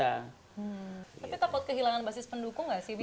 tapi takut kehilangan basis pendukung nggak sih bibi